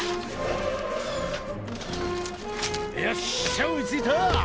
よっしゃ追いついた！